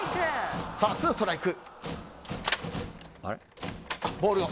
ツーストライク。